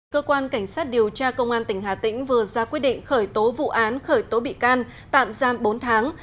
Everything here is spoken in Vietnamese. cơ quan cảnh sát điều tra công an tỉnh hà tĩnh vừa ra quyết định khởi tố vụ án khởi tố bị can tạm giam bốn tháng